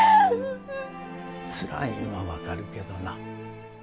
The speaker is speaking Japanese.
つらいんは分かるけどな。